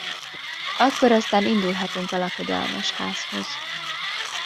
Akkor aztán indulhatunk a lakodalmas házhoz.